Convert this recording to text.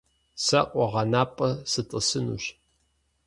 Сэ къуэгъэнапӏэ сытӏысынущ.